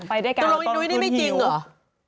ไปด้วยกันตอนคุณหิวตรงนี้หนุ้ยนี่ไม่จริงหรือ